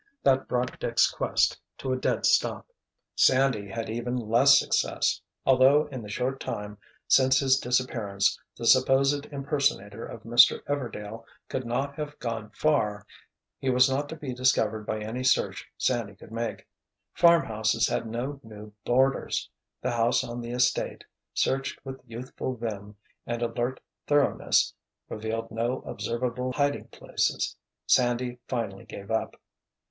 That brought Dick's quest to a dead stop. Sandy had even less success. Although in the short time since his disappearance the supposed impersonator of Mr. Everdail could not have gone far, he was not to be discovered by any search Sandy could make. Farmhouses had no new "boarders." The house on the estate, searched with youthful vim and alert thoroughness, revealed no observable hiding places. Sandy finally gave up.